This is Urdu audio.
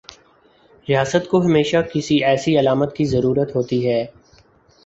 ریاست کو ہمیشہ کسی ایسی علامت کی ضرورت ہوتی ہے۔